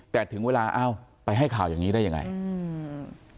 แต่ถึงเวลาอ้าวไปให้ข่าวอย่างงี้ได้ยังไงอืม